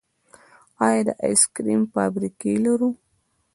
آیا د آیس کریم فابریکې لرو؟